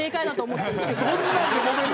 そんなんで揉める！？